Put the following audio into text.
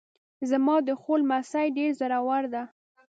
زما د خور لمسی ډېر زړور ده